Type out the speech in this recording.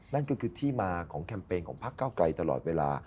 นั่นก็คือที่มาของแคมเปญของพักเก้าไกลตลอดเวลา